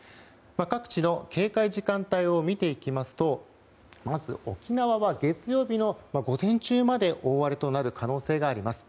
各地の警戒時間帯を見ていきますとまず沖縄は月曜日の午前中まで大荒れとなる可能性があります。